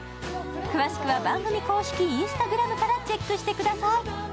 詳しくは番組公式Ｉｎｓｔａｇｒａｍからチェックしてください。